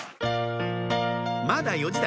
まだ４時台